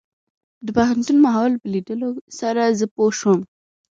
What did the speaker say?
د پوهنتون ماحول په ليدلو سره زه پوه شوم.